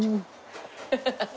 ハハハハ！